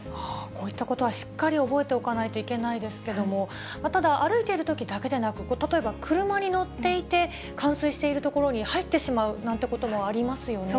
こういったことはしっかり覚えておかないといけないですけども、ただ、歩いているときだけでなく、例えば車に乗っていて、冠水している所に入ってしまうなんてこともありますよね。